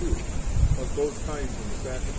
Of Both Kinds in the Sacrament.